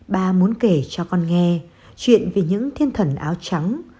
bà muốn kể cho con nghe chuyện về những thiên thần áo trắng